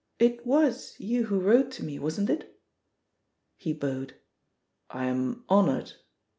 "It WM you who wrote to me, wasn't it?" He bowed. "I am honoured.